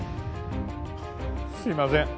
すいません。